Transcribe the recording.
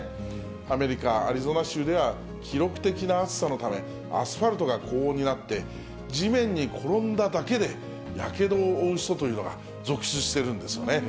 アメリカ・アリゾナ州では記録的な暑さのため、アスファルトが高温になって、地面に転んだだけでやけどを負う人というのが続出してるんですよね。